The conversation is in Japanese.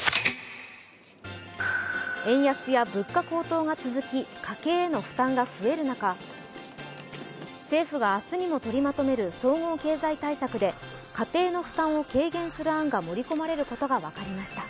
円安や物価高騰が続き、家計への負担が増える中、政府が明日にも取りまとめる総合経済対策で家庭の負担を軽減する案が盛り込まれることが分かりました。